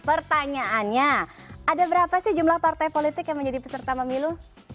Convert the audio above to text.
pertanyaannya ada berapa sih jumlah partai politik yang menjadi peserta pemilu